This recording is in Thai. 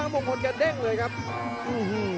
โอ้โหไม่พลาดกับธนาคมโด้แดงเขาสร้างแบบนี้